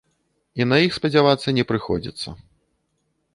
І на іх спадзявацца не прыходзіцца.